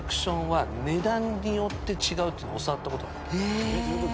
えっ？どういうこと？